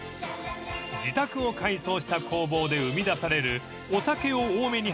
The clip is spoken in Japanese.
［自宅を改装した工房で生み出される］